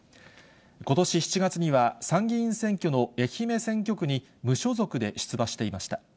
ことし７月には、参議院選挙の愛媛選挙区に無所属で出馬していました。